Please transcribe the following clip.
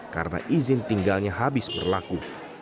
karena izin tinggalnya habis berlaku